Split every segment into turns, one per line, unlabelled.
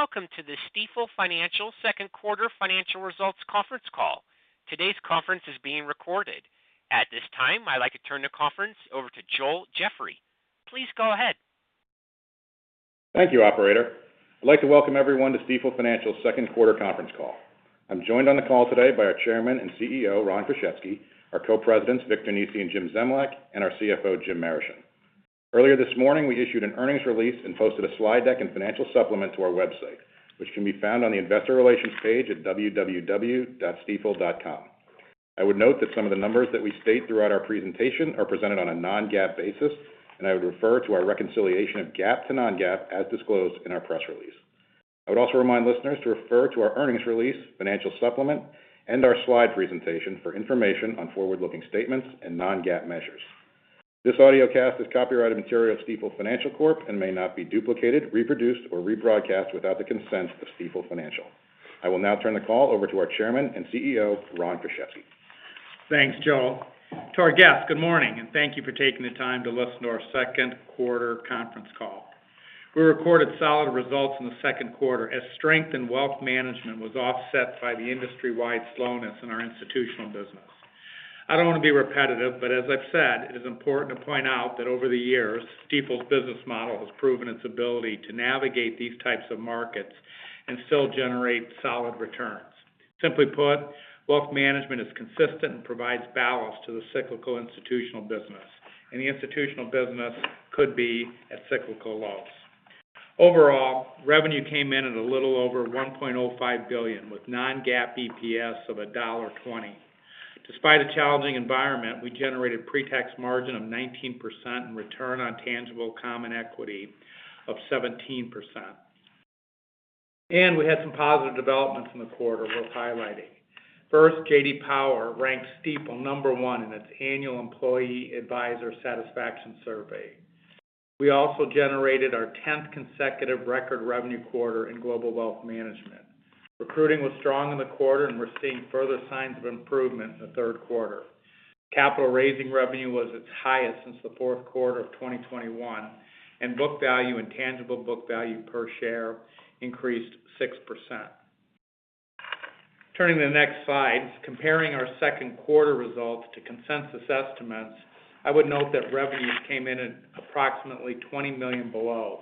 Good day, and welcome to the Stifel Financial second quarter financial results conference call. Today's conference is being recorded. At this time, I'd like to turn the conference over to Joel Jeffrey. Please go ahead.
Thank you, operator. I'd like to welcome everyone to Stifel Financial's second quarter conference call. I'm joined on the call today by our Chairman and CEO, Ron Kruszewski, our Co-Presidents, Victor Nesi and Jim Zemlyak, and our CFO, Jim Marischen. Earlier this morning, we issued an earnings release and posted a slide deck and Financial Supplement to our website, which can be found on the Investor Relations page at www.stifel.com. I would note that some of the numbers that we state throughout our presentation are presented on a non-GAAP basis, and I would refer to our reconciliation of GAAP to non-GAAP as disclosed in our press release. I would also remind listeners to refer to our earnings release, Financial Supplement, and our slide presentation for information on forward-looking statements and non-GAAP measures. This audiocast is copyrighted material of Stifel Financial Corp and may not be duplicated, reproduced, or rebroadcast without the consent of Stifel Financial. I will now turn the call over to our Chairman and CEO, Ron Kruszewski.
Thanks, Joel. To our guests, good morning, and thank you for taking the time to listen to our second quarter conference call. We recorded solid results in the second quarter as strength in wealth management was offset by the industry-wide slowness in our institutional business. I don't want to be repetitive, but as I've said, it is important to point out that over the years, Stifel's business model has proven its ability to navigate these types of markets and still generate solid returns. Simply put, wealth management is consistent and provides balance to the cyclical institutional business, and the institutional business could be at cyclical lows. Overall, revenue came in at a little over $1.05 billion, with non-GAAP EPS of $1.20. Despite a challenging environment, we generated pre-tax margin of 19% and return on tangible common equity of 17%. We had some positive developments in the quarter worth highlighting. First, J.D. Power ranked Stifel number one in its annual Employee Advisor Satisfaction Survey. We also generated our 10th consecutive record revenue quarter in global wealth management. Recruiting was strong in the quarter, and we're seeing further signs of improvement in the third quarter. Capital raising revenue was its highest since the fourth quarter of 2021, and book value and tangible book value per share increased 6%. Turning to the next slide, comparing our second quarter results to consensus estimates, I would note that revenues came in at approximately $20 million below.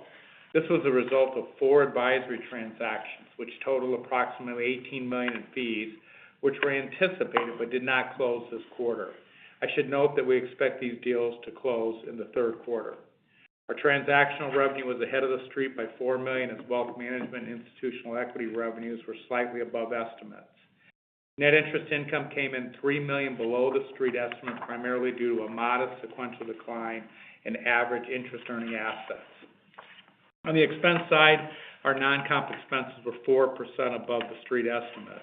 This was a result of four advisory transactions, which total approximately $18 million in fees, which were anticipated but did not close this quarter. I should note that we expect these deals to close in the third quarter. Our transactional revenue was ahead of the street by $4 million, as wealth management and institutional equity revenues were slightly above estimates. Net interest income came in $3 million below the street estimate, primarily due to a modest sequential decline in average interest earning assets. On the expense side, our non-comp expenses were 4% above the street estimate.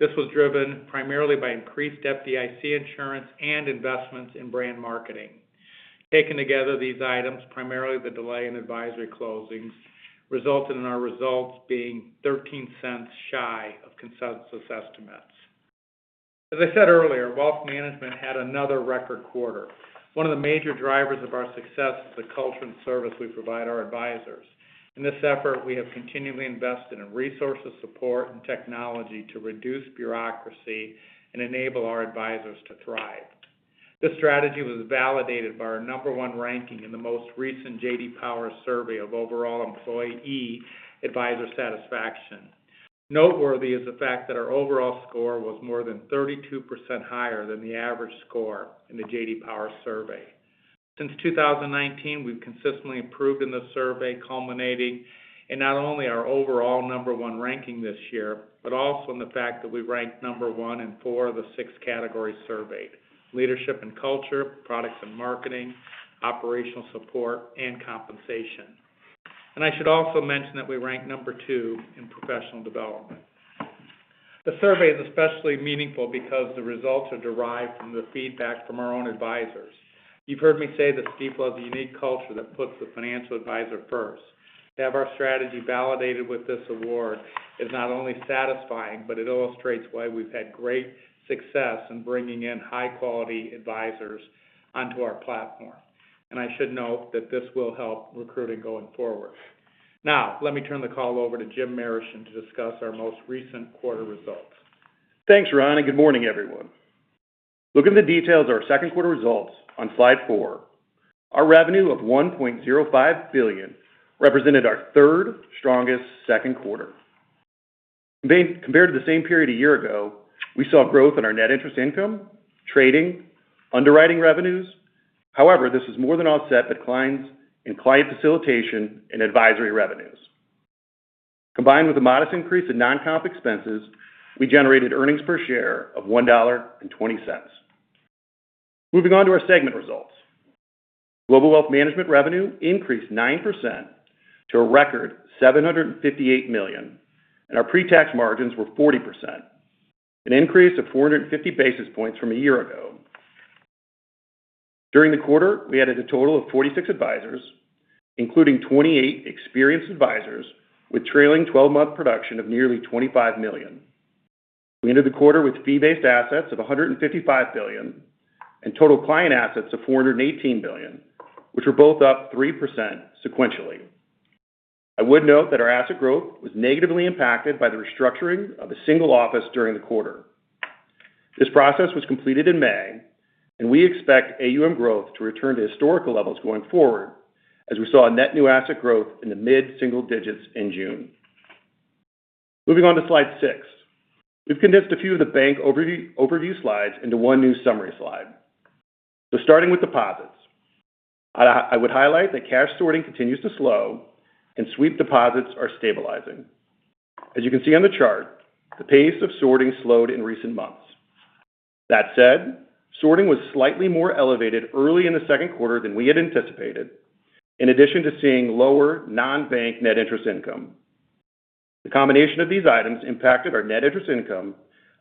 This was driven primarily by increased FDIC insurance and investments in brand marketing. Taken together, these items, primarily the delay in advisory closings, resulted in our results being $0.13 shy of consensus estimates. As I said earlier, wealth management had another record quarter. One of the major drivers of our success is the culture and service we provide our advisors. In this effort, we have continually invested in resources, support, and technology to reduce bureaucracy and enable our advisors to thrive. This strategy was validated by our number one ranking in the most recent JD Power Survey of overall employee advisor satisfaction. Noteworthy is the fact that our overall score was more than 32% higher than the average score in the JD Power Survey. Since 2019, we've consistently improved in the survey, culminating in not only our overall number one ranking this year, but also in the fact that we ranked number one in four of the six categories surveyed: Leadership and Culture, Products and Marketing, Operational Support, and Compensation. I should also mention that we ranked number two in professional development. The survey is especially meaningful because the results are derived from the feedback from our own advisors. You've heard me say that Stifel has a unique culture that puts the financial advisor first. To have our strategy validated with this award is not only satisfying, but it illustrates why we've had great success in bringing in high-quality advisors onto our platform, and I should note that this will help recruiting going forward. Let me turn the call over to Jim Marischen to discuss our most recent quarter results.
Thanks, Ron. Good morning, everyone. Looking at the details of our second quarter results on slide four, our revenue of $1.05 billion represented our third strongest second quarter. Compared to the same period a year ago, we saw growth in our net interest income, trading, underwriting revenues. However, this has more than offset the declines in client facilitation and advisory revenues. Combined with a modest increase in non-comp expenses, we generated earnings per share of $1.20. Moving on to our segment results. Global wealth management revenue increased 9% to a record $758 million, and our pre-tax margins were 40%, an increase of 450 basis points from a year ago. During the quarter, we added a total of 46 advisors, including 28 experienced advisors, with trailing 12-month production of nearly $25 million. We ended the quarter with fee-based assets of $155 billion and total client assets of $418 billion, which were both up 3% sequentially. I would note that our asset growth was negatively impacted by the restructuring of a single office during the quarter. This process was completed in May, and we expect AUM growth to return to historical levels going forward, as we saw a net new asset growth in the mid-single digits in June. Moving on to slide six. We've condensed a few of the bank overview slides into one new summary slide. Starting with deposits. I would highlight that cash sorting continues to slow and sweep deposits are stabilizing. As you can see on the chart, the pace of sorting slowed in recent months. That said, sorting was slightly more elevated early in the second quarter than we had anticipated, in addition to seeing lower non-bank net interest income. The combination of these items impacted our net interest income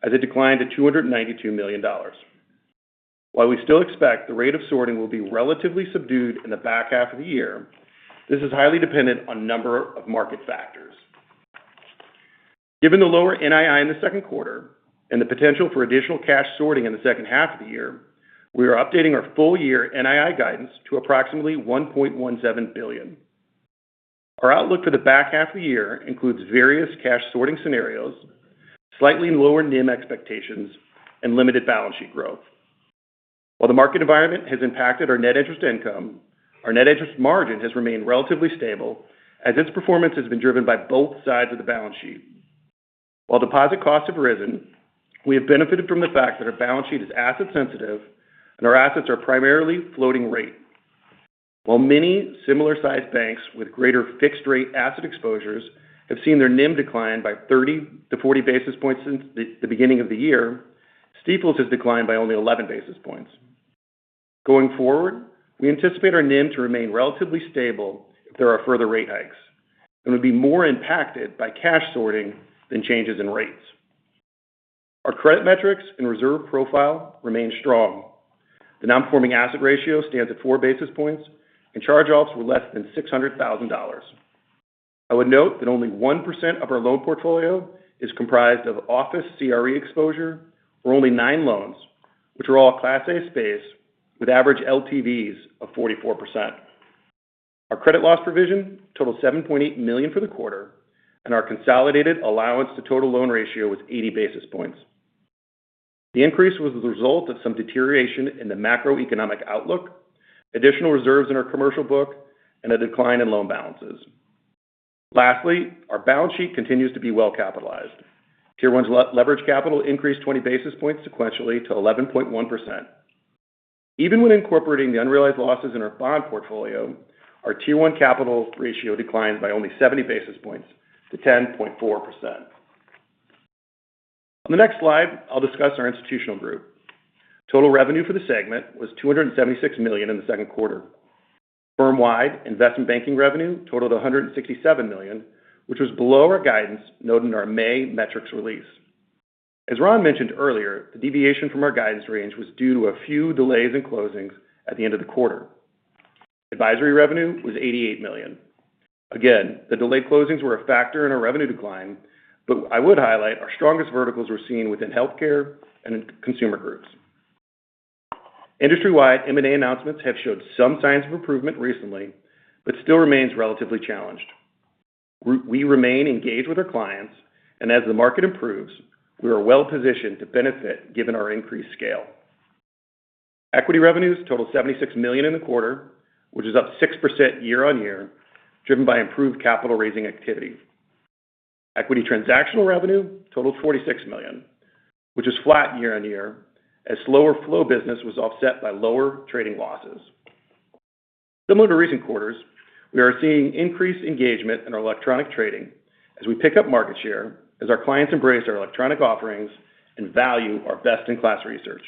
as it declined to $292 million. While we still expect the rate of sorting will be relatively subdued in the back half of the year, this is highly dependent on number of market factors. Given the lower NII in the second quarter and the potential for additional cash sorting in the second half of the year, we are updating our full year NII guidance to approximately $1.17 billion. Our outlook for the back half of the year includes various cash sorting scenarios, slightly lower NIM expectations, and limited balance sheet growth. While the market environment has impacted our net interest income, our net interest margin has remained relatively stable as its performance has been driven by both sides of the balance sheet. While deposit costs have risen, we have benefited from the fact that our balance sheet is asset sensitive and our assets are primarily floating rate. While many similar-sized banks with greater fixed rate asset exposures have seen their NIM decline by 30-40 basis points since the beginning of the year, Stifel has declined by only 11 basis points. Going forward, we anticipate our NIM to remain relatively stable if there are further rate hikes, and would be more impacted by cash sorting than changes in rates. Our credit metrics and reserve profile remain strong. The non-performing asset ratio stands at 4 basis points, and charge-offs were less than $600,000. I would note that only 1% of our loan portfolio is comprised of office CRE exposure, or only nine loans, which are all Class A space with average LTVs of 44%. Our credit loss provision totaled $7.8 million for the quarter, and our consolidated allowance to total loan ratio was 80 basis points. The increase was the result of some deterioration in the macroeconomic outlook, additional reserves in our commercial book, and a decline in loan balances. Lastly, our balance sheet continues to be well capitalized. Tier 1's leverage capital increased 20 basis points sequentially to 11.1%. Even when incorporating the unrealized losses in our bond portfolio, our Tier 1 capital ratio declined by only 70 basis points to 10.4%. On the next slide, I'll discuss our institutional group. Total revenue for the segment was $276 million in the second quarter. Firm-wide investment banking revenue totaled $167 million, which was below our guidance noted in our May metrics release. As Ron mentioned earlier, the deviation from our guidance range was due to a few delays in closings at the end of the quarter. Advisory revenue was $88 million. The delayed closings were a factor in our revenue decline, but I would highlight our strongest verticals were seen within healthcare and in consumer groups. Industry-wide, M&A announcements have showed some signs of improvement recently, but still remains relatively challenged. We remain engaged with our clients as the market improves, we are well positioned to benefit given our increased scale. Equity revenues totaled $76 million in the quarter, which is up 6% year-on-year, driven by improved capital raising activity. Equity transactional revenue totaled $46 million, which is flat year on year, as slower flow business was offset by lower trading losses. Similar to recent quarters, we are seeing increased engagement in our electronic trading as we pick up market share, as our clients embrace our electronic offerings and value our best-in-class research.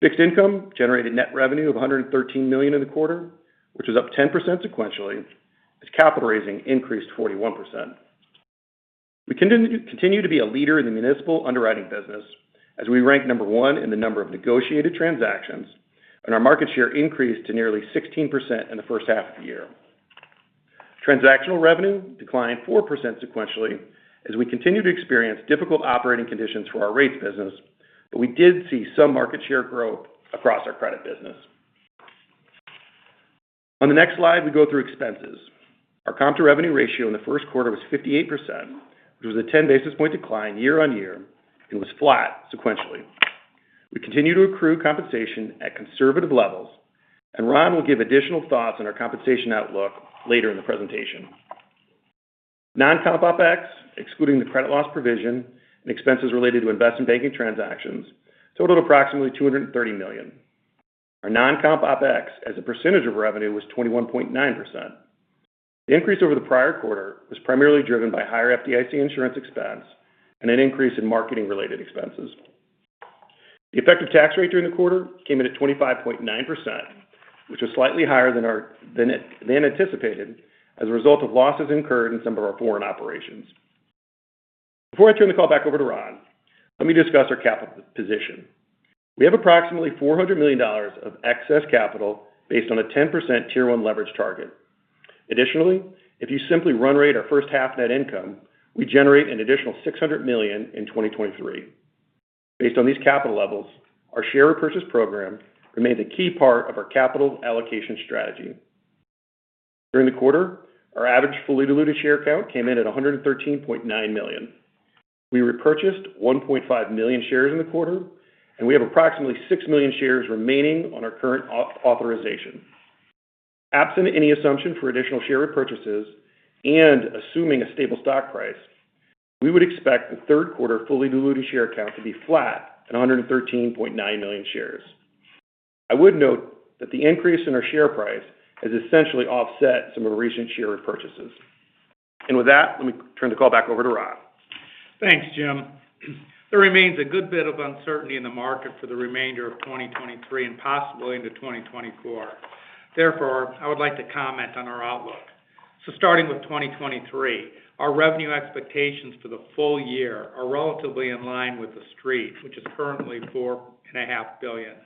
Fixed income generated net revenue of $113 million in the quarter, which is up 10% sequentially, as capital raising increased 21%. We continue to be a leader in the municipal underwriting business as we rank number one in the number of negotiated transactions, and our market share increased to nearly 16% in the first half of the year. Transactional revenue declined 4% sequentially as we continue to experience difficult operating conditions for our rates business, but we did see some market share growth across our credit business. On the next slide, we go through expenses. Our comp to revenue ratio in the first quarter was 58%, which was a 10 basis point decline year-over-year, and was flat sequentially. We continue to accrue compensation at conservative levels, and Ron will give additional thoughts on our compensation outlook later in the presentation. Non-comp OpEx, excluding the credit loss provision and expenses related to investment banking transactions, totaled approximately $230 million. Our non-comp OpEx as a percentage of revenue was 21.9%. The increase over the prior quarter was primarily driven by higher FDIC insurance expense and an increase in marketing related expenses. The effective tax rate during the quarter came in at 25.9%, which was slightly higher than anticipated, as a result of losses incurred in some of our foreign operations. Before I turn the call back over to Ron, let me discuss our capital position. We have approximately $400 million of excess capital based on a 10% Tier 1 leverage target. If you simply run rate our first half net income, we generate an additional $600 million in 2023. Based on these capital levels, our share repurchase program remains a key part of our capital allocation strategy. During the quarter, our average fully diluted share count came in at 113.9 million. We repurchased 1.5 million shares in the quarter, and we have approximately 6 million shares remaining on our current authorization. Absent any assumption for additional share repurchases and assuming a stable stock price, we would expect the third quarter fully diluted share count to be flat at 113.9 million shares. I would note that the increase in our share price has essentially offset some of the recent share repurchases. With that, let me turn the call back over to Ron.
Thanks, Jim. There remains a good bit of uncertainty in the market for the remainder of 2023 and possibly into 2024. I would like to comment on our outlook. Starting with 2023, our revenue expectations for the full year are relatively in line with the street, which is currently four and a half billion dollars.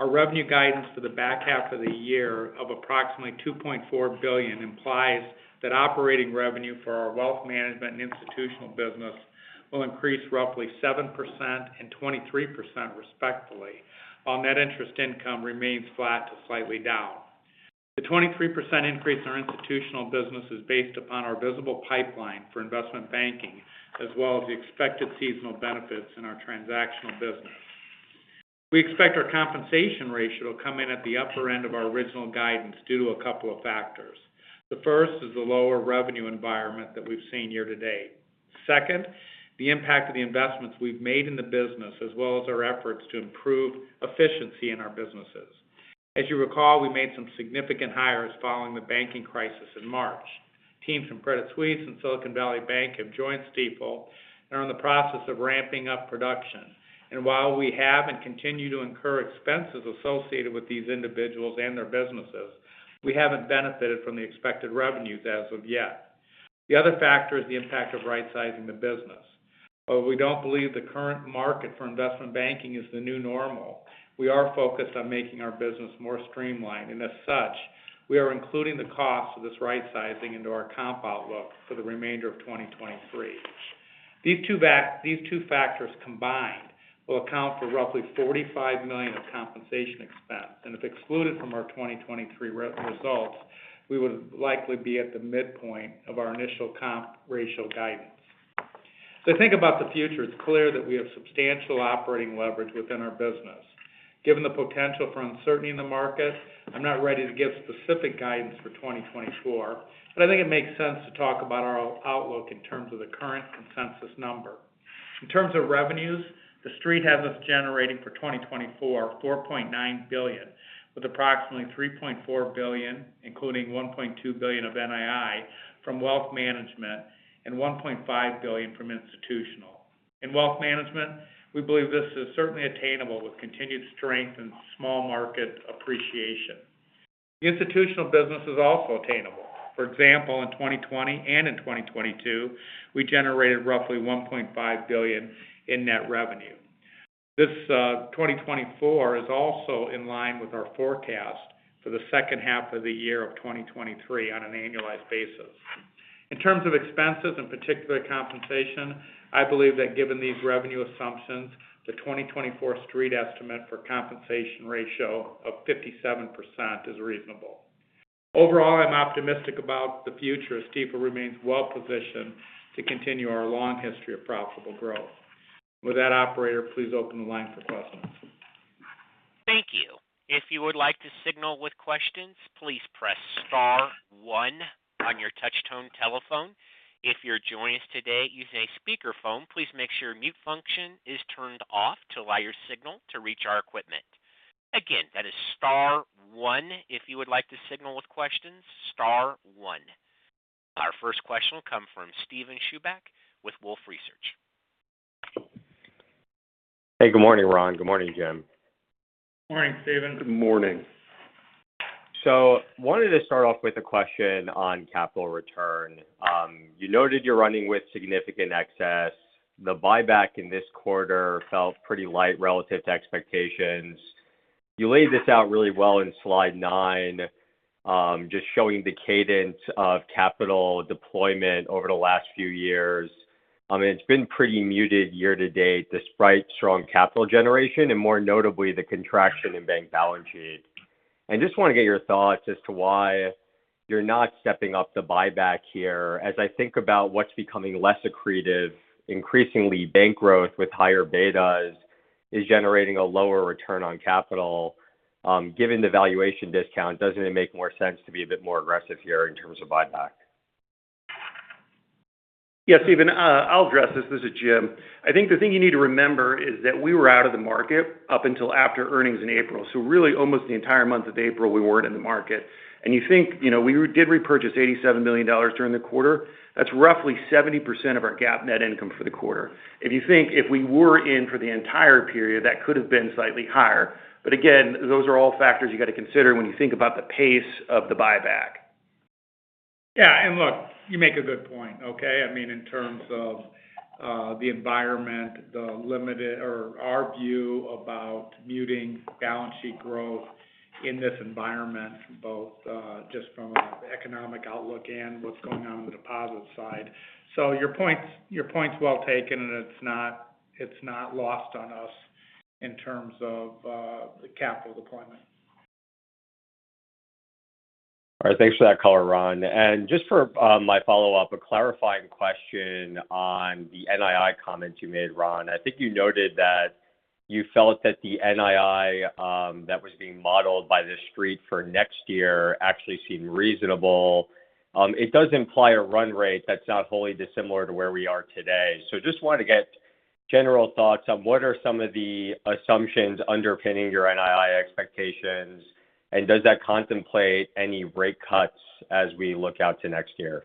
Our revenue guidance for the back half of the year of approximately $2.4 billion implies that operating revenue for our wealth management and institutional business will increase roughly 7% and 23%, respectively, while net interest income remains flat to slightly down. The 23% increase in our institutional business is based upon our visible pipeline for investment banking, as well as the expected seasonal benefits in our transactional business. We expect our compensation ratio to come in at the upper end of our original guidance due to a couple of factors. The first is the lower revenue environment that we've seen year to date. Second, the impact of the investments we've made in the business, as well as our efforts to improve efficiency in our businesses. As you recall, we made some significant hires following the banking crisis in March. Teams from Credit Suisse and Silicon Valley Bank have joined Stifel and are in the process of ramping up production. While we have and continue to incur expenses associated with these individuals and their businesses, we haven't benefited from the expected revenues as of yet. The other factor is the impact of rightsizing the business. Although we don't believe the current market for investment banking is the new normal, we are focused on making our business more streamlined, and as such, we are including the costs of this rightsizing into our comp outlook for the remainder of 2023. These two factors combined will account for roughly $45 million of compensation expense, and if excluded from our 2023 results, we would likely be at the midpoint of our initial comp ratio guidance. Think about the future. It's clear that we have substantial operating leverage within our business. Given the potential for uncertainty in the market, I'm not ready to give specific guidance for 2024, but I think it makes sense to talk about our outlook in terms of the current consensus number. In terms of revenues, the street has us generating for 2024, $4.9 billion, with approximately $3.4 billion, including $1.2 billion of NII from wealth management and $1.5 billion from institutional. In wealth management, we believe this is certainly attainable with continued strength and small market appreciation. The institutional business is also attainable. For example, in 2020 and in 2022, we generated roughly $1.5 billion in net revenue. This 2024 is also in line with our forecast for the second half of the year of 2023 on an annualized basis. In terms of expenses, in particular compensation, I believe that given these revenue assumptions, the 2024 street estimate for compensation ratio of 57% is reasonable. Overall, I'm optimistic about the future, as Stifel remains well-positioned to continue our long history of profitable growth. With that, operator, please open the line for questions.
Thank you. If you would like to signal with questions, please press star one on your touch tone telephone. If you're joining us today using a speakerphone, please make sure your mute function is turned off to allow your signal to reach our equipment. Again, that is star one. If you would like to signal with questions, star one. Our first question will come from Steven Chubak with Wolfe Research.
Hey, good morning, Ron. Good morning, Jim.
Good morning, Steven.
Good morning.
I wanted to start off with a question on capital return. You noted you're running with significant excess. The buyback in this quarter felt pretty light relative to expectations. You laid this out really well in slide nine, just showing the cadence of capital deployment over the last few years. I mean, it's been pretty muted year to date, despite strong capital generation and more notably, the contraction in bank balance sheets. I just want to get your thoughts as to why you're not stepping up the buyback here. As I think about what's becoming less accretive, increasingly, bank growth with higher betas is generating a lower return on capital. Given the valuation discount, doesn't it make more sense to be a bit more aggressive here in terms of buyback?
Yes, Steven, I'll address this. This is Jim. I think the thing you need to remember is that we were out of the market up until after earnings in April. Really, almost the entire month of April, we weren't in the market. You think, you know, we did repurchase $87 million during the quarter. That's roughly 70% of our GAAP net income for the quarter. If you think if we were in for the entire period, that could have been slightly higher. Again, those are all factors you got to consider when you think about the pace of the buyback.
Yeah, look, you make a good point, okay? I mean, in terms of the environment, the limited or our view about muting balance sheet growth in this environment, both just from an economic outlook and what's going on in the deposit side. Your point's well taken, and it's not lost on us in terms of the capital deployment.
All right. Thanks for that color, Ron. just for my follow-up, a clarifying question on the NII comments you made, Ron. I think you noted that you felt that the NII that was being modeled by the street for next year actually seemed reasonable. it does imply a run rate that's not wholly dissimilar to where we are today. just wanted to get general thoughts on what are some of the assumptions underpinning your NII expectations, and does that contemplate any rate cuts as we look out to next year?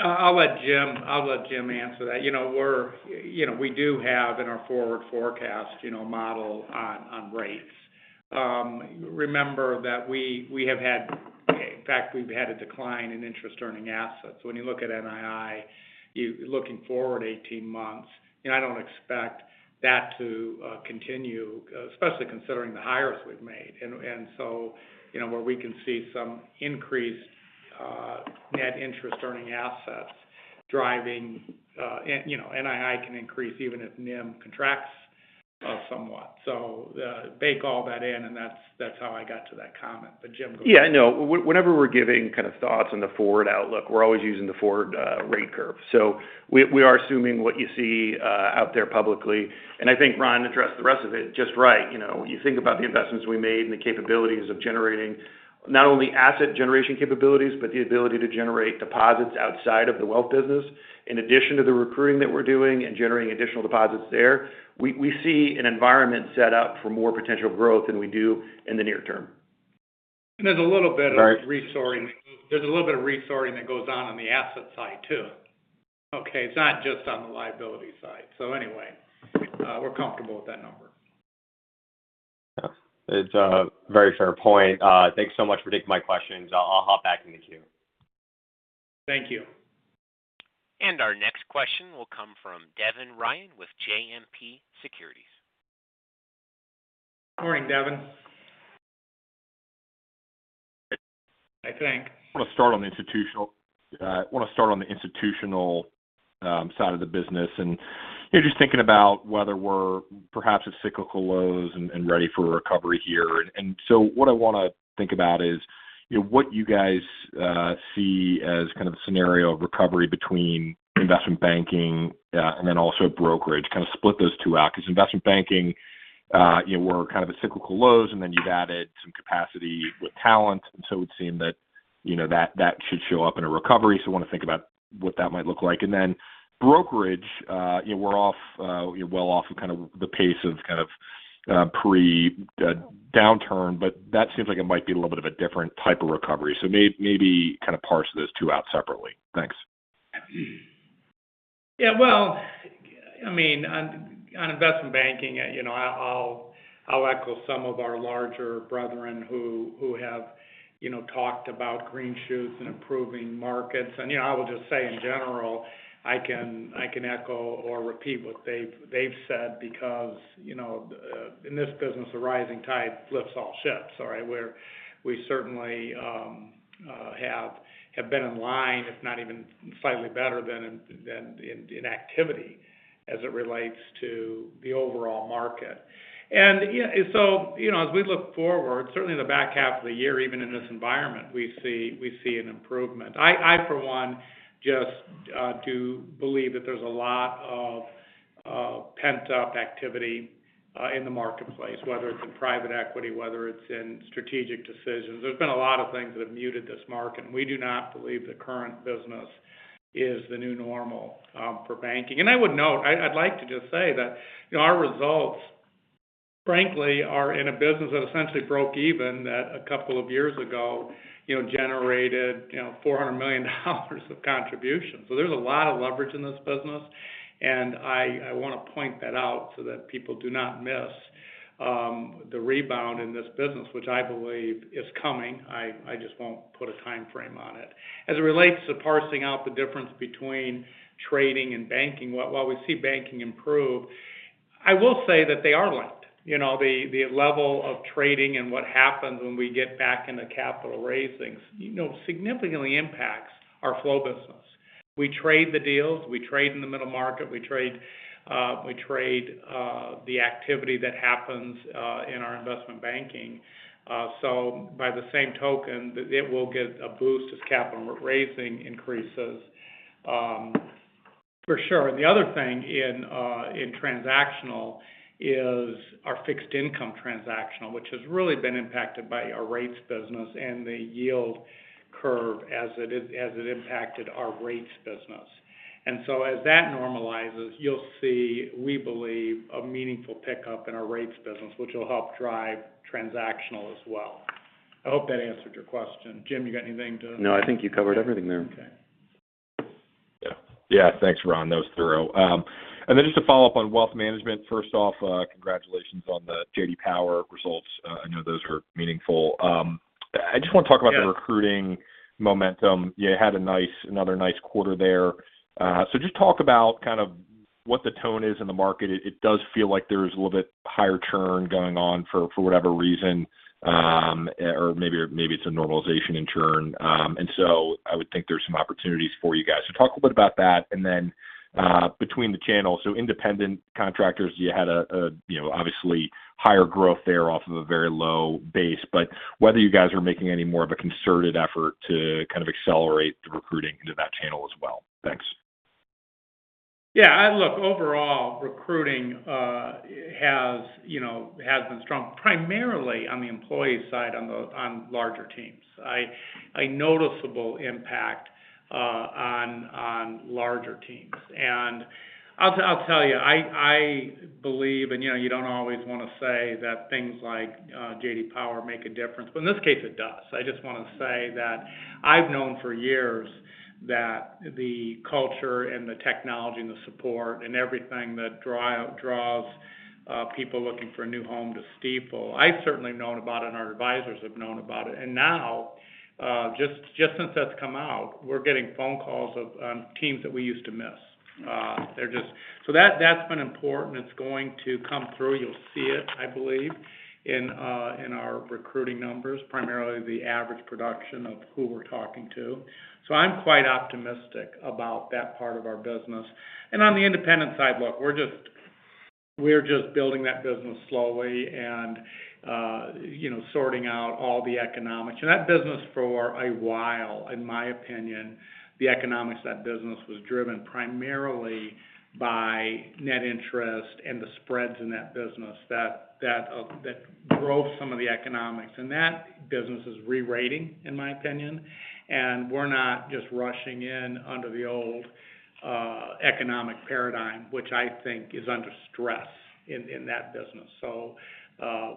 I'll let Jim answer that. You know, we do have in our forward forecast, you know, model on rates. Remember that we, in fact, we've had a decline in interest-earning assets. When you look at NII, looking forward 18 months, you know, I don't expect that to continue especially considering the hires we've made. You know, where we can see some increased net interest-earning assets driving... You know, NII can increase even if NIM contracts somewhat. Bake all that in, and that's how I got to that comment. Jim, go ahead.
Yeah, no. whenever we're giving kind of thoughts on the forward outlook, we're always using the forward rate curve. we are assuming what you see out there publicly, and I think Ron addressed the rest of it just right. You know, you think about the investments we made and the capabilities of not only asset generation capabilities, but the ability to generate deposits outside of the wealth business. In addition to the recruiting that we're doing and generating additional deposits there, we see an environment set up for more potential growth than we do in the near term.
There's a little bit of.
Right.
There's a little bit of resorting that goes on on the asset side, too. Okay, it's not just on the liability side. So anyway, we're comfortable with that number.
Yeah. It's a very fair point. Thanks so much for taking my questions. I'll hop back in the queue.
Thank you.
Our next question will come from Devin Ryan with JMP Securities.
Morning, Devin.
I think. I want to start on the institutional side of the business. You know, just thinking about whether we're perhaps at cyclical lows and ready for a recovery here. What I want to think about is, you know, what you guys see as kind of the scenario of recovery between investment banking and then also brokerage. Kind of split those two out, because investment banking, you know, we're kind of at cyclical lows, and then you've added some capacity with talent, and so it would seem that, you know, that should show up in a recovery. I want to think about what that might look like. Brokerage, you know, we're off, you're well off of kind of the pace of kind of, pre, downturn, but that seems like it might be a little bit of a different type of recovery. Maybe kind of parse those two out separately. Thanks.
Yeah, well, I mean, on investment banking, you know, I'll echo some of our larger brethren who have, you know, talked about green shoots and improving markets. You know, I will just say in general, I can echo or repeat what they've said, because, you know, in this business, a rising tide lifts all ships, all right? Where we certainly have been in line, if not even slightly better than in activity as it relates to the overall market. Yeah, you know, as we look forward, certainly in the back half of the year, even in this environment, we see an improvement. I, for one, just do believe that there's a lot of pent-up activity in the marketplace, whether it's in private equity, whether it's in strategic decisions. There's been a lot of things that have muted this market. We do not believe the current business is the new normal for banking. I would note, I'd like to just say that, you know, our results, frankly, are in a business that essentially broke even, that a couple of years ago, you know, generated, you know, $400 million of contribution. There's a lot of leverage in this business. I want to point that out so that people do not miss the rebound in this business, which I believe is coming. I just won't put a time frame on it. As it relates to parsing out the difference between trading and banking, while we see banking improve, I will say that they are linked. You know, the level of trading and what happens when we get back into capital raising, you know, significantly impacts our flow business. We trade the deals, we trade in the middle market, we trade the activity that happens in our investment banking. By the same token, it will get a boost as capital raising increases for sure. The other thing in transactional is our fixed income transactional, which has really been impacted by our rates business and the yield curve as it impacted our rates business. As that normalizes, you'll see, we believe, a meaningful pickup in our rates business, which will help drive transactional as well. I hope that answered your question. Jim, you got anything to-
No, I think you covered everything there.
Yeah. Thanks, Ron. That was thorough. Then just to follow up on wealth management. First off, congratulations on the JD Power results. I know those are meaningful. I just want to talk about-
Yeah
the recruiting momentum. You had another nice quarter there. Just talk about kind of what the tone is in the market. It does feel like there's a little bit higher churn going on for whatever reason, or maybe it's a normalization in churn. I would think there's some opportunities for you guys. Talk a bit about that, and then between the channels. Independent contractors, you had a, you know, obviously higher growth there off of a very low base, but whether you guys are making any more of a concerted effort to kind of accelerate the recruiting into that channel as well. Thanks.
Yeah, look, overall, recruiting has, you know, been strong, primarily on the employee side, on larger teams. A noticeable impact on larger teams. I'll tell you, I believe, and, you know, you don't always want to say that things like JD Power make a difference, but in this case, it does. I just want to say that I've known for years that the culture and the technology and the support and everything that draws people looking for a new home to Stifel. I've certainly known about it, and our advisors have known about it. Now, just since that's come out, we're getting phone calls of teams that we used to miss. That's been important. It's going to come through. You'll see it, I believe, in our recruiting numbers, primarily the average production of who we're talking to. I'm quite optimistic about that part of our business. On the independent side, look, we're just building that business slowly and, you know, sorting out all the economics. That business for a while, in my opinion, the economics of that business was driven primarily by net interest and the spreads in that business, that drove some of the economics. That business is rerating, in my opinion, and we're not just rushing in under the old economic paradigm, which I think is under stress in that business.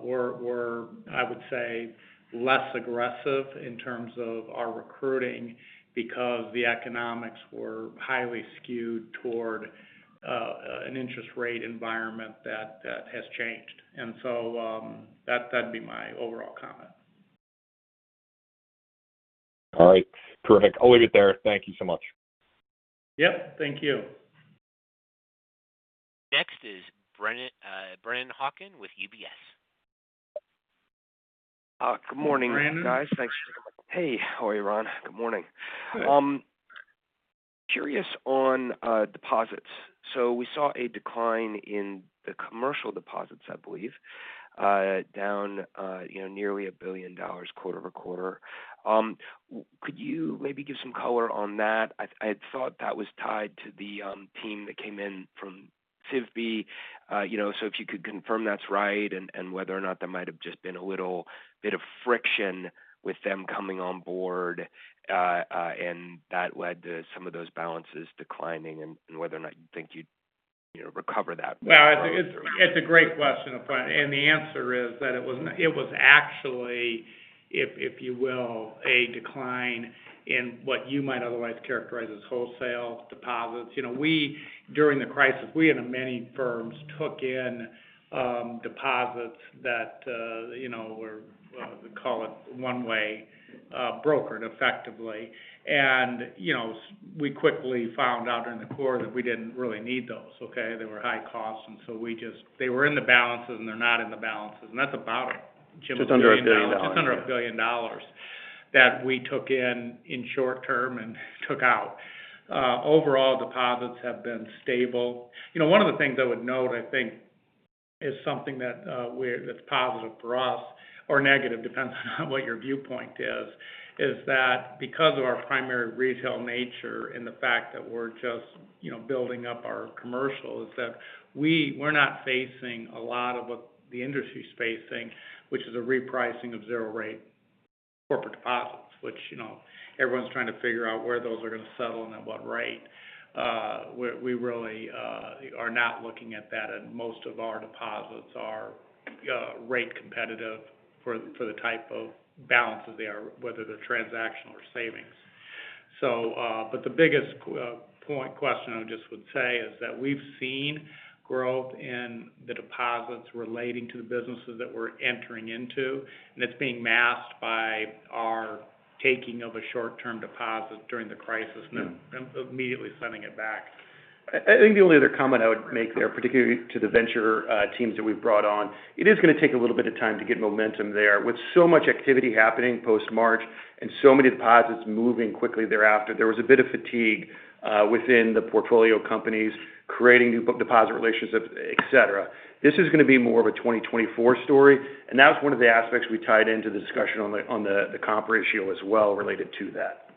We're, I would say, less aggressive in terms of our recruiting because the economics were highly skewed toward an interest rate environment that has changed. That'd be my overall comment.
Perfect. I'll leave it there. Thank you so much.
Yep, thank you.
Next is Brennan Hawken with UBS.
Good morning, guys. Thanks. Hey, how are you, Ron? Good morning. Good. Curious on deposits. We saw a decline in the commercial deposits, I believe, down, you know, nearly $1 billion quarter-over-quarter. Could you maybe give some color on that? I had thought that was tied to the team that came in from SVB. If you could confirm that's right and whether or not that might have just been a little bit of friction with them coming on board and that led to some of those balances declining, and whether or not you think you'd, you know, recover that?
Well, it's a great question, and the answer is that it was actually, if you will, a decline in what you might otherwise characterize as wholesale deposits. You know, we, during the crisis, we and many firms took in deposits that, you know, were, we call it one way, brokered effectively. You know, we quickly found out in the quarter that we didn't really need those, okay? They were high cost. They were in the balances, they're not in the balances, that's about it. Just under $1 billion. Just under $1 billion, that we took in short term and took out. Overall deposits have been stable. You know, one of the things I would note, I think, is something that's positive for us, or negative, depends on what your viewpoint is that because of our primary retail nature and the fact that we're just, you know, building up our commercials, that we're not facing a lot of what the industry is facing, which is a repricing of zero rate corporate deposits, which, you know, everyone's trying to figure out where those are going to settle and at what rate. We really are not looking at that, and most of our deposits are rate competitive for the type of balances they are, whether they're transactional or savings. The biggest point, question I just would say is that we've seen growth in the deposits relating to the businesses that we're entering into, and it's being masked by our taking of a short-term deposit during the crisis and immediately sending it back.
I think the only other comment I would make there, particularly to the venture teams that we've brought on, it is going to take a little bit of time to get momentum there. With so much activity happening post-March and so many deposits moving quickly thereafter, there was a bit of fatigue within the portfolio companies creating new book deposit relationships, et cetera. This is going to be more of a 2024 story, and that was one of the aspects we tied into the discussion on the, on the comp ratio as well, related to that.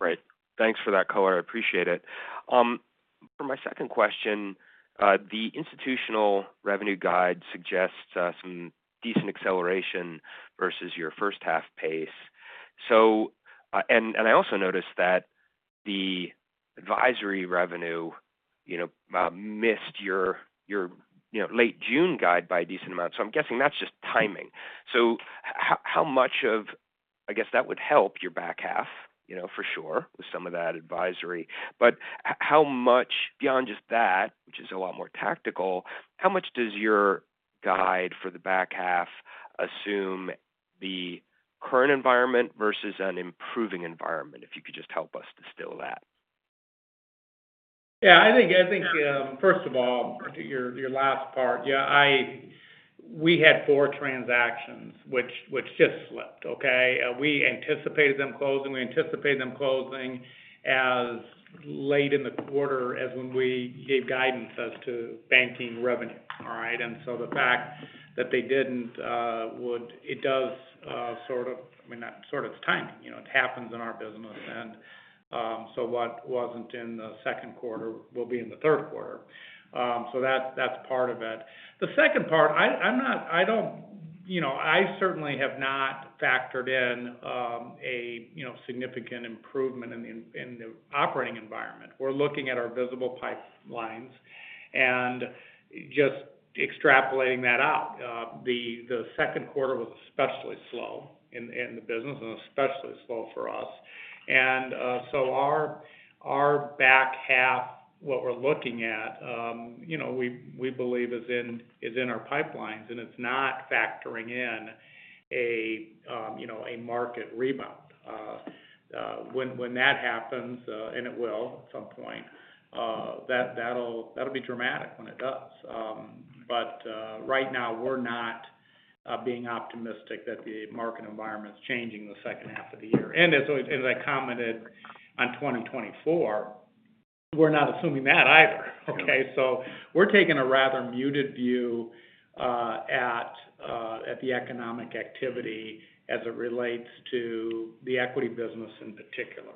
Right. Thanks for that color. I appreciate it. For my second question, the institutional revenue guide suggests some decent acceleration versus your first half pace. And I also noticed that the advisory revenue-... you know, missed your, you know, late June guide by a decent amount. I'm guessing that's just timing. How much I guess, that would help your back half, you know, for sure, with some of that advisory. How much beyond just that, which is a lot more tactical, how much does your guide for the back half assume the current environment versus an improving environment? If you could just help us distill that?
Yeah, I think, first of all, to your last part, yeah, we had four transactions which just slipped, okay? We anticipated them closing as late in the quarter as when we gave guidance as to banking revenue. All right? The fact that they didn't, it does, sort of, I mean, that sort of timing. You know, it happens in our business. What wasn't in the second quarter will be in the third quarter. That's part of it. The second part, I, you know, I certainly have not factored in, you know, significant improvement in the operating environment. We're looking at our visible pipelines and just extrapolating that out. The second quarter was especially slow in the business and especially slow for us. Our back half, what we're looking at, you know, we believe is in our pipelines, and it's not factoring in a, you know, a market rebound. When that happens, and it will at some point, that'll be dramatic when it does. Right now, we're not being optimistic that the market environment is changing in the second half of the year. As I commented on 2024, we're not assuming that either, okay?
Yeah.
We're taking a rather muted view at the economic activity as it relates to the equity business in particular.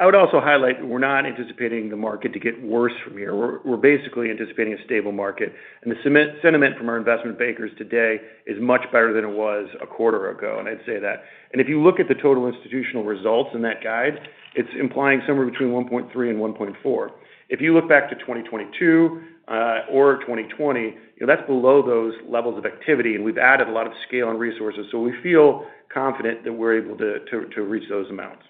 I would also highlight that we're not anticipating the market to get worse from here. We're basically anticipating a stable market. The sentiment from our investment bankers today is much better than it was a quarter ago, and I'd say that. If you look at the total institutional results in that guide, it's implying somewhere between 1.3 and 1.4. If you look back to 2022, or 2020, you know, that's below those levels of activity, and we've added a lot of scale and resources, so we feel confident that we're able to reach those amounts.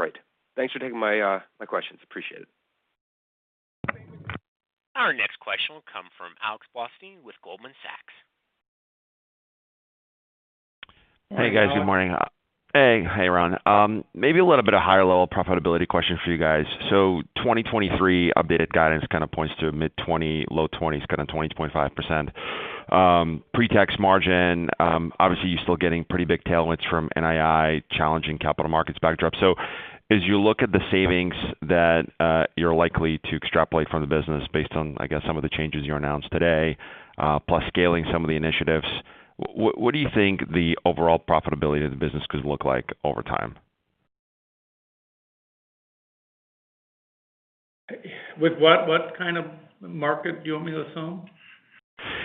Great. Thanks for taking my questions. Appreciate it.
Our next question will come from Alex Blostein with Goldman Sachs.
Hey, guys. Good morning. Hey, hi, Ron. Maybe a little bit of higher-level profitability question for you guys. 2023 updated guidance kind of points to a mid-20%, low 20%, kind of 20.5%. Pre-tax margin, obviously, you're still getting pretty big tailwinds from NII, challenging capital markets backdrop. As you look at the savings that you're likely to extrapolate from the business based on, I guess, some of the changes you announced today, plus scaling some of the initiatives, what do you think the overall profitability of the business could look like over time?
With what? What kind of market do you want me to assume?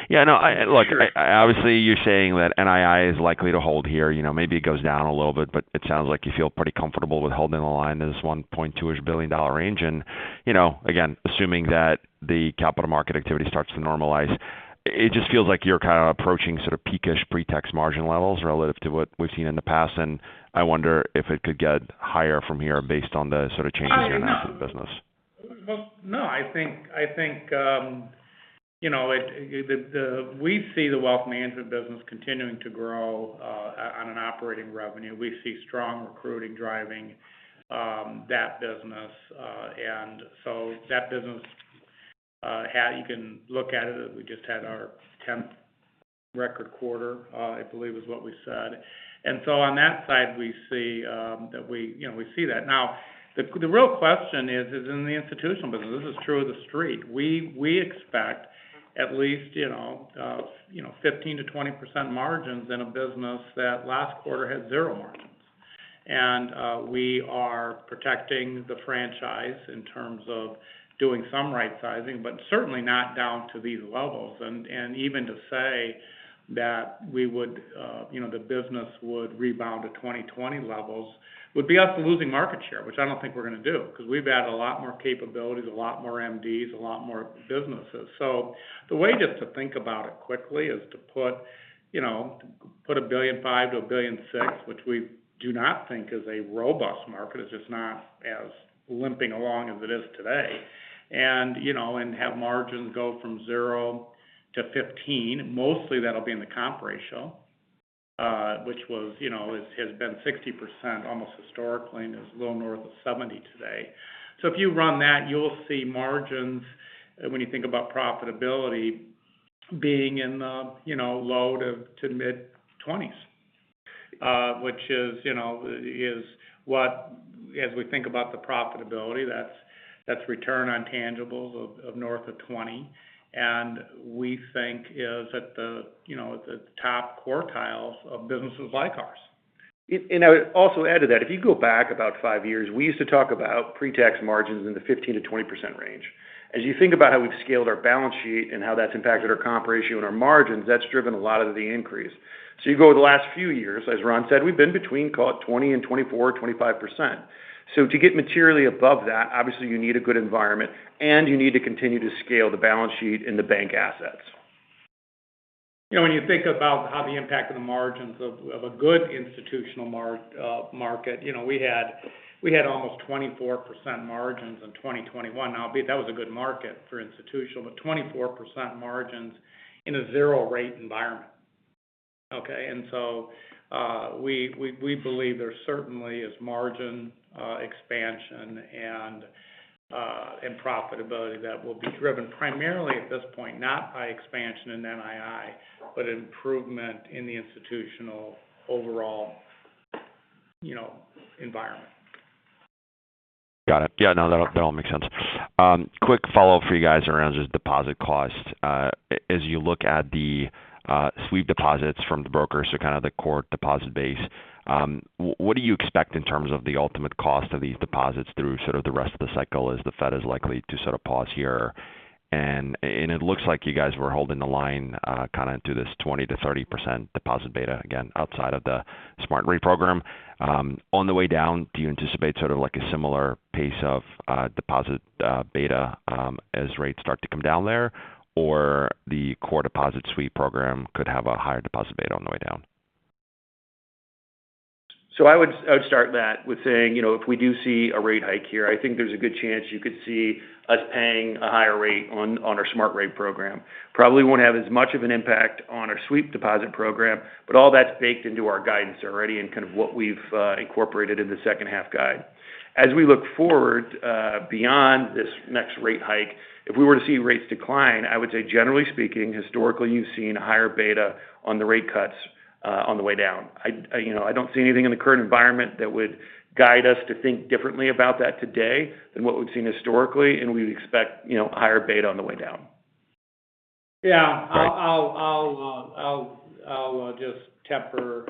Yeah, I know. Look, obviously, you're saying that NII is likely to hold here. You know, maybe it goes down a little bit, but it sounds like you feel pretty comfortable with holding the line in this $1.2 billion range. You know, again, assuming that the capital market activity starts to normalize, it just feels like you're kind of approaching sort of peak-ish pre-tax margin levels relative to what we've seen in the past. I wonder if it could get higher from here based on the sort of changes in the business.
Well, no, I think, you know, we see the wealth management business continuing to grow on an operating revenue. We see strong recruiting driving that business. That business, you can look at it, as we just had our 10th record quarter, I believe is what we said. On that side, we see that we, you know, see that. The real question is in the institutional business, this is true of the street. We expect at least, you know, 15%-20% margins in a business that last quarter had 0% margins. We are protecting the franchise in terms of doing some right-sizing, but certainly not down to these levels. Even to say that we would, you know, the business would rebound to 2020 levels, would be us losing market share, which I don't think we're gonna do, because we've added a lot more capabilities, a lot more MDs, a lot more businesses. The way just to think about it quickly is to put, you know, put $1.5 billion-$1.6 billion, which we do not think is a robust market. It's just not as limping along as it is today. You know, have margins go from 0% to 15%. Mostly, that'll be in the comp ratio, which was, you know, it has been 60%, almost historically, and is a little north of 70% today. If you run that, you'll see margins, when you think about profitability, being in the, you know, low- to mid-20s%. Which is, you know, as we think about the profitability, that's return on tangibles of north of 20%, and we think is at the, you know, at the top quartiles of businesses like ours.
I would also add to that, if you go back about five years, we used to talk about pre-tax margins in the 15%-20% range. As you think about how we've scaled our balance sheet and how that's impacted our comp ratio and our margins, that's driven a lot of the increase. You go over the last few years, as Ron said, we've been between call it 20% and 24%, 25%. To get materially above that, obviously, you need a good environment and you need to continue to scale the balance sheet and the bank assets.
You know, when you think about how the impact of the margins of a good institutional market, you know, we had almost 24% margins in 2021. That was a good market for institutional, but 24% margins in a zero-rate environment, okay? We believe there certainly is margin expansion and profitability that will be driven primarily at this point, not by expansion in NII, but improvement in the institutional overall, you know, environment.
Got it. Yeah, no, that all makes sense. Quick follow-up for you guys around just deposit costs. As you look at the sweep deposits from the brokers to kind of the core deposit base, what do you expect in terms of the ultimate cost of these deposits through sort of the rest of the cycle as the Fed is likely to sort of pause here? It looks like you guys were holding the line kind of to this 20%-30% deposit beta, again, outside of the smart rate program. On the way down, do you anticipate sort of like a similar pace of deposit beta as rates start to come down there? The core deposit sweep program could have a higher deposit beta on the way down.
I would start that with saying, you know, if we do see a rate hike here, I think there's a good chance you could see us paying a higher rate on our Smart Rate program. Probably won't have as much of an impact on our sweep deposit program, but all that's baked into our guidance already and kind of what we've incorporated in the second half guide. As we look forward beyond this next rate hike, if we were to see rates decline, I would say, generally speaking, historically, you've seen higher beta on the rate cuts on the way down. I, you know, I don't see anything in the current environment that would guide us to think differently about that today than what we've seen historically, and we expect, you know, higher beta on the way down.
Yeah.
Right.
I'll just temper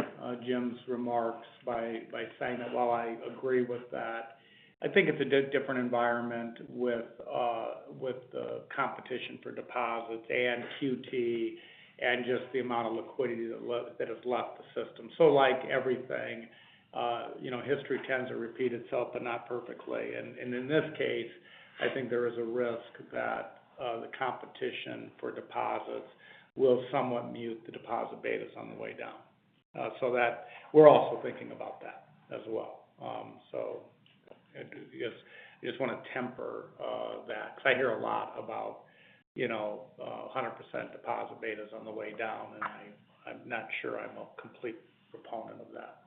Jim's remarks by saying that while I agree with that, I think it's a different environment with the competition for deposits and QT and just the amount of liquidity that has left the system. Like everything, you know, history tends to repeat itself, but not perfectly. In this case, I think there is a risk that the competition for deposits will somewhat mute the deposit betas on the way down. We're also thinking about that as well. I do just want to temper that, because I hear a lot about, you know, 100% deposit betas on the way down, and I'm not sure I'm a complete proponent of that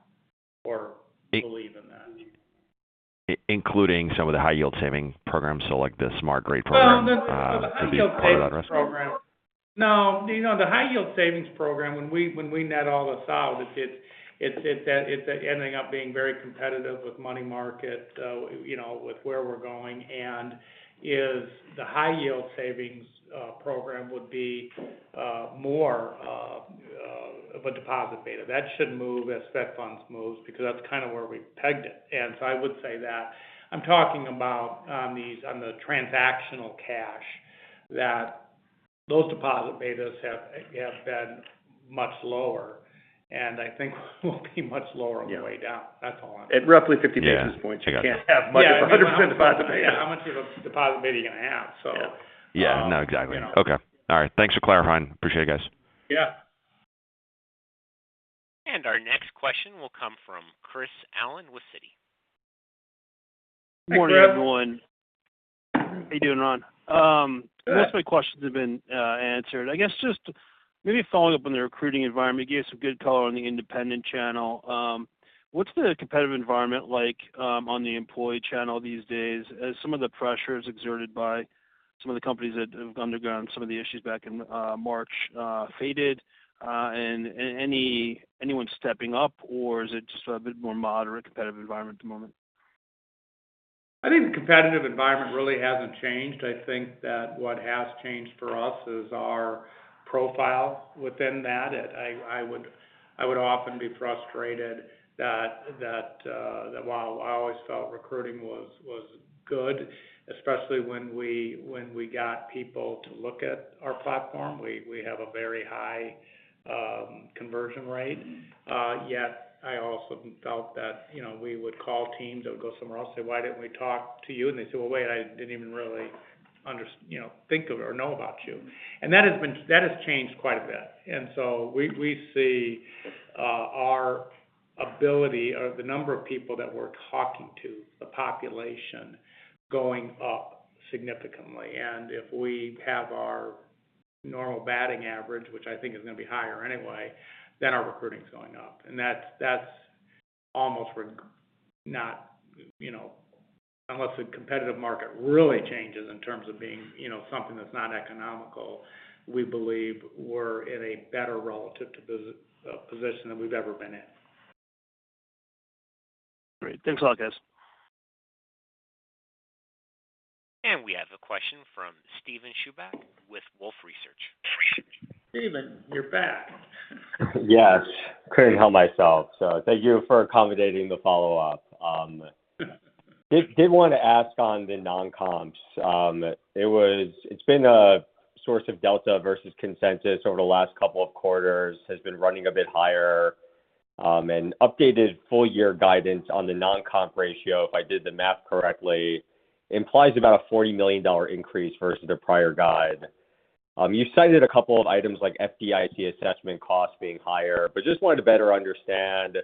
or believe in that.
including some of the high yield saving programs, so like the Smart Rate Program, to be part of that risk?
No, you know, the high yield savings program, when we net all this out, it's ending up being very competitive with money market, you know, with where we're going. The high yield savings program would be more of a deposit beta. That should move as Fed funds moves, because that's kind of where we pegged it. I would say that I'm talking about on these, on the transactional cash, that those deposit betas have been much lower, and I think will be much lower on the way down.
Yeah.
That's all.
At roughly 50 basis points.
Yeah. I got you.
You can't have much of a 100% deposit beta.
How much of a deposit beta are you going to have?
Yeah. No, exactly.
You know?
Okay. All right. Thanks for clarifying. Appreciate it, guys.
Yeah.
Our next question will come from Chris Allen with Citi.
Good morning, everyone.
Hi, Chris.
How are you doing, Ron?
Good.
Most of my questions have been answered. I guess just maybe following up on the recruiting environment, you gave some good color on the independent channel. What's the competitive environment like on the employee channel these days, as some of the pressures exerted by some of the companies that have undergone some of the issues back in March, faded? Anyone stepping up or is it just a bit more moderate competitive environment at the moment?
I think the competitive environment really hasn't changed. I think that what has changed for us is our profile within that. I would often be frustrated that while I always felt recruiting was good, especially when we got people to look at our platform, we have a very high conversion rate. Yet I also felt that, you know, we would call teams that would go somewhere else, say, "Why didn't we talk to you?" They'd say, "Well, wait, I didn't even really, you know, think of or know about you." That has changed quite a bit. So we see our ability or the number of people that we're talking to, the population, going up significantly. If we have our normal batting average, which I think is going to be higher anyway, then our recruiting is going up. That's, that's almost not, you know, unless the competitive market really changes in terms of being, you know, something that's not economical, we believe we're in a better relative position than we've ever been in.
Great. Thanks a lot, guys.
We have a question from Steven Chubak with Wolfe Research.
Steven, you're back.
Yes, couldn't help myself. Thank you for accommodating the follow-up. did want to ask on the non-comps. it's been a source of delta versus consensus over the last couple of quarters, has been running a bit higher. updated full year guidance on the non-comp ratio, if I did the math correctly, implies about a $40 million increase versus the prior guide. you cited a couple of items like FDIC assessment costs being higher, but just wanted to better understand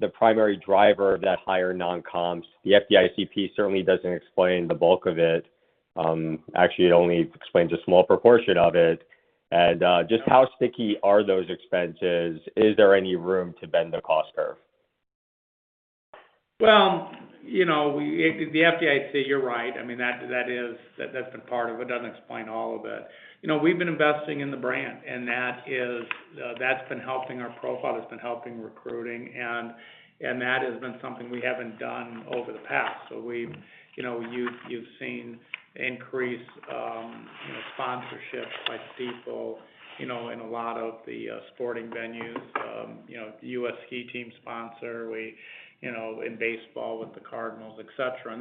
the primary driver of that higher non-comps. The FDIC piece certainly doesn't explain the bulk of it. actually, it only explains a small proportion of it. just how sticky are those expenses? Is there any room to bend the cost curve?
You know, the FDIC, you're right. I mean, that is, that's been part of it doesn't explain all of it. You know, we've been investing in the brand, and that is, that's been helping our profile, it's been helping recruiting, and that has been something we haven't done over the past. You know, you've seen increased, you know, sponsorships by people, you know, in a lot of the sporting venues, you know, the U.S. Ski Team sponsor. You know, in baseball with the Cardinals, et cetera.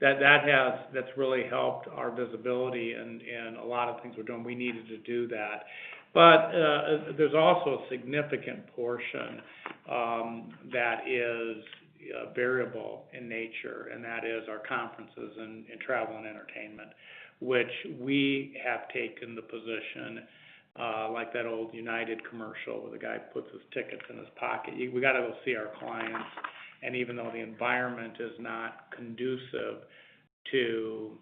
That's really helped our visibility in a lot of things we're doing. We needed to do that. There's also a significant portion, that is, variable in nature, and that is our conferences and travel and entertainment. Which we have taken the position, like that old United commercial, where the guy puts his tickets in his pocket. We got to go see our clients, even though the environment is not conducive to,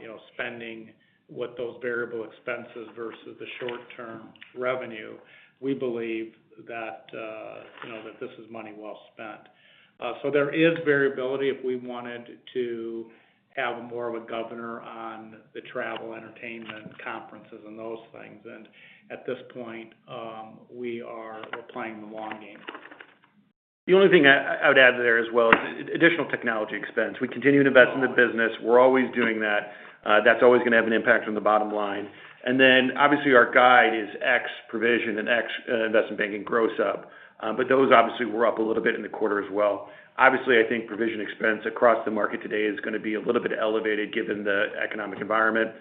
you know, spending what those variable expenses versus the short-term revenue, we believe that, you know, that this is money well spent. There is variability if we wanted to have more of a governor on the travel, entertainment, conferences, and those things. At this point, we are playing the long game.
The only thing I would add there as well is additional technology expense. We continue to invest in the business. We're always doing that. That's always going to have an impact on the bottom line. Then, obviously, our guide is X provision and X investment banking gross up. Those obviously were up a little bit in the quarter as well. Obviously, I think provision expense across the market today is going to be a little bit elevated given the economic environment.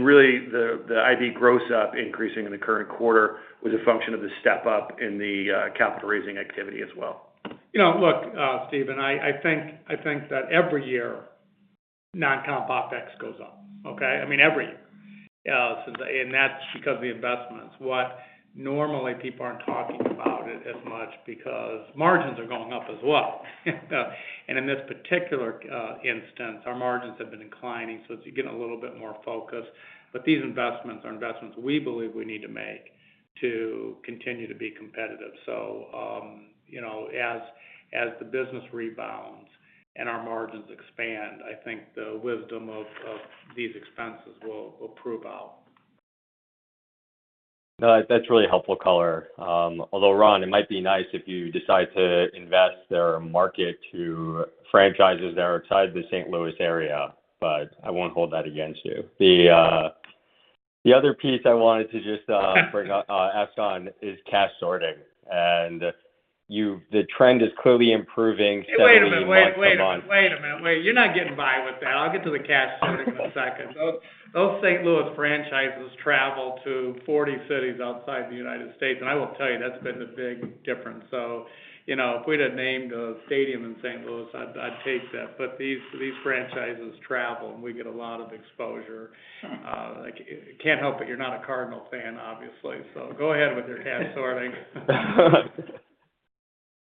Really, the IB gross up increasing in the current quarter was a function of the step up in the capital raising activity as well.
You know, look, Steven, I think that every year, non-comp OpEx goes up, okay? I mean, every year. That's because of the investments. What normally people aren't talking about it as much because margins are going up as well. In this particular instance, our margins have been inclining, so it's getting a little bit more focused. These investments are investments we believe we need to make to continue to be competitive. You know, as the business rebounds and our margins expand, I think the wisdom of these expenses will prove out.
That's really helpful color. Ron, it might be nice if you decide to invest or market to franchises that are outside the St. Louis area, but I won't hold that against you. The other piece I wanted to just bring up, ask on is cash sorting. The trend is clearly improving month-to-month.
Wait a minute, wait a minute. Wait, you're not getting by with that. I'll get to the cash sorting in a second. Those St. Louis franchises travel to 40 cities outside the United States. I will tell you, that's been a big difference. You know, if we'd have named a stadium in St. Louis, I'd take that. These franchises travel. We get a lot of exposure. Like, you can't help but you're not a Cardinals fan, obviously. Go ahead with your cash sorting.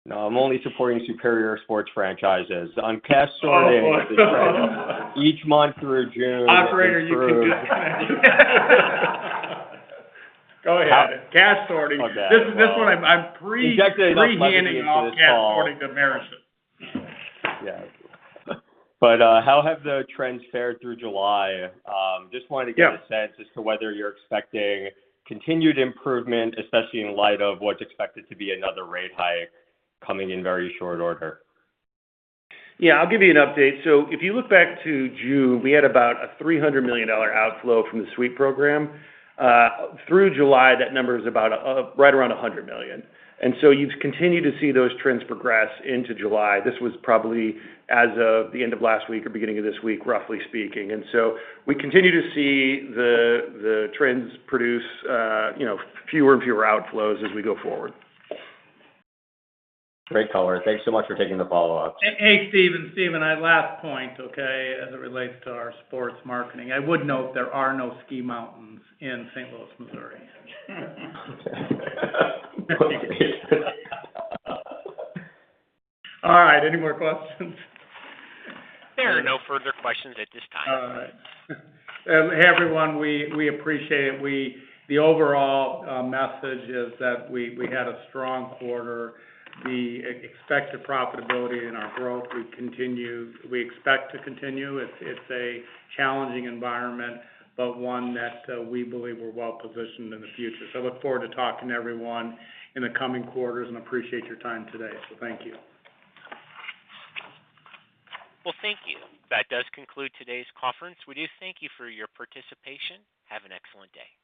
No, I'm only supporting superior sports franchises. On cash sorting-
Oh, boy.
Each month through June.
Operator, Go ahead. Cash sorting.
Okay.
This one I'm pre-
Exactly-...
pre-handing off cash sorting to Marischen.
Yeah. How have the trends fared through July?
Yeah
get a sense as to whether you're expecting continued improvement, especially in light of what's expected to be another rate hike coming in very short order.
Yeah, I'll give you an update. If you look back to June, we had about a $300 million outflow from the suite program. Through July, that number is about right around $100 million. You've continued to see those trends progress into July. This was probably as of the end of last week or beginning of this week, roughly speaking. We continue to see the trends produce, you know, fewer and fewer outflows as we go forward.
Great color. Thanks so much for taking the follow-up.
Hey, Steven. Last point, okay, as it relates to our sports marketing. I would note there are no ski mountains in St. Louis, Missouri. All right, any more questions?
There are no further questions at this time.
All right. Hey, everyone, we appreciate it. The overall message is that we had a strong quarter. The expected profitability and our growth, we expect to continue. It's a challenging environment, but one that we believe we're well positioned in the future. I look forward to talking to everyone in the coming quarters and appreciate your time today. Thank you.
Well, thank you. That does conclude today's conference. We do thank you for your participation. Have an excellent day.